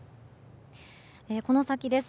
この先です。